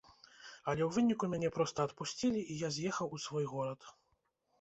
Але ў выніку мяне проста адпусцілі, і я з'ехаў у свой горад.